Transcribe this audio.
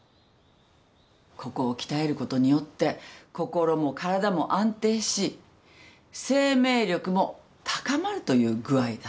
ここを鍛えることによって心も体も安定し生命力も高まるという具合だ。